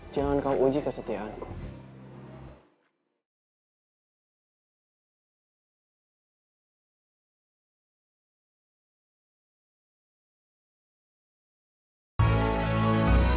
jangan kau uji kesetiaanku